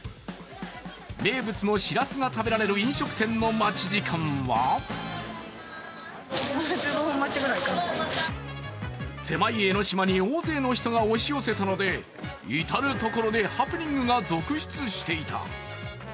名物のしらすが食べられる飲食店の待ち時間は狭い江の島に大勢の人が押し寄せたので至る所でハプニングが続出していた。